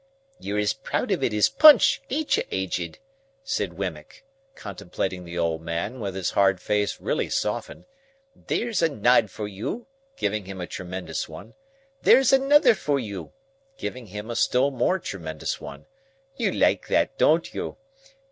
"You're as proud of it as Punch; ain't you, Aged?" said Wemmick, contemplating the old man, with his hard face really softened; "there's a nod for you;" giving him a tremendous one; "there's another for you;" giving him a still more tremendous one; "you like that, don't you?